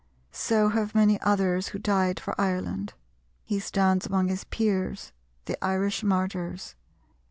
So have many others who died for Ireland; he stands among his peers, the Irish martyrs.